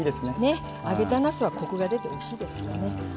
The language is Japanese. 揚げたなすはコクが出ておいしいですよね。